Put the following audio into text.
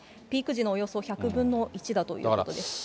ピーク時のおよそ１００分の１だということです。